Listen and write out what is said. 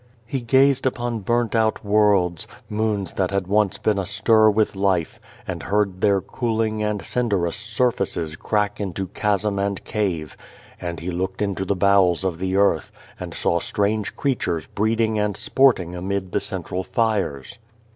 He gazed upon burnt out worlds, moons that had once been astir with life, and heard their cooling and cinderous surfaces crack into chasm and cave ; and he looked into the bowels of the earth, and saw strange creatures breeding and sporting amid the central fires.